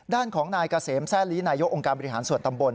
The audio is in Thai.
ด้านของนายเกษมแซ่ลีนายกองค์การบริหารส่วนตำบล